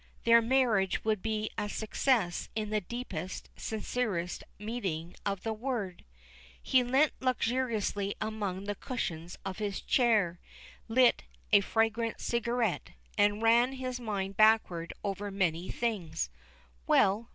Their marriage would be a success in the deepest, sincerest meaning of that word. He leant luxuriously among the cushions of his chair, lit a fragrant cigarette, and ran his mind backward over many things. Well!